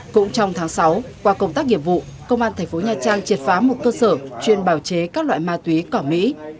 cũng trong tháng sáu qua công tác nghiệp vụ công an thành phố nha trang triệt phá một cơ sở chuyên bào chế các loại ma túy cỏ mỹ